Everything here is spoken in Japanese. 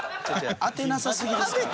当てなさすぎですから。